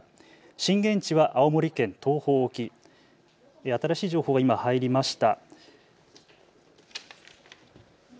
震源地は青森県東方沖、新しい情報が今入りました。